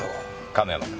亀山君。